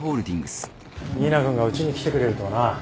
新名君がうちに来てくれるとはな。